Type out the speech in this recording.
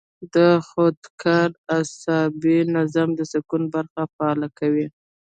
د خودکار اعصابي نظام د سکون برخه فعاله کوي -